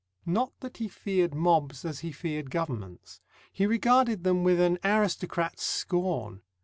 Not that he feared mobs as he feared governments. He regarded them with an aristocrat's scorn.